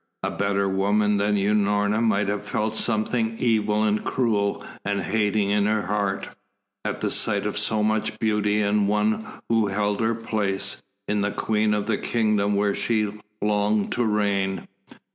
A better woman than Unorna might have felt something evil and cruel and hating in her heart, at the sight of so much beauty in one who held her place, in the queen of the kingdom where she longed to reign.